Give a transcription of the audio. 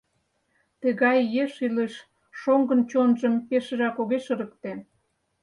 Тыгай «еш илыш» шоҥгын чонжым пешыжак огеш ырыкте.